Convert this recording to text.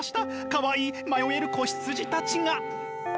かわいい迷える子羊たちが。